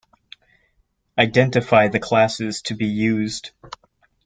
Identify the classes to be used.